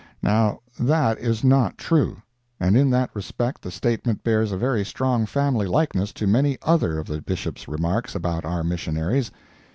Now that is not true—and in that respect the statement bears a very strong family likeness to many other of the Bishop's remarks about our missionaries.